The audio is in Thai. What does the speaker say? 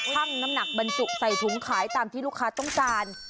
่งน้ำหนักบรรจุใส่ถุงขายตามที่ลูกค้าต้องการ